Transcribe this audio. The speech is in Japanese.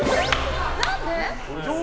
何で？